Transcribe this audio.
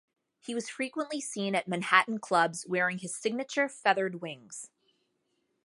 He was frequently seen at Manhattan clubs wearing his signature feathered wings.